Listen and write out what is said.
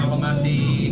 kalau nggak sih